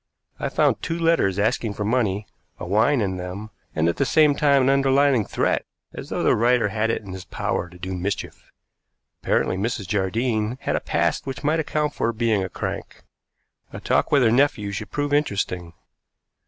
I found two letters asking for money, a whine in them, and at the same time an underlying threat, as though the writer had it in his power to do mischief. Apparently Mrs. Jardine had a past which might account for her being a crank. A talk with her nephew should prove interesting.